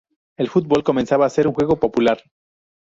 El fútbol comenzaba a ser un juego popular.